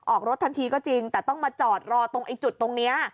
ออกรถทันทีก็จริงแต่ต้องมาจอดรอตรงไอ้จุดตรงนี้